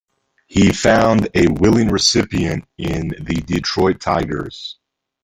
He found a willing recipient in the Detroit Tigers.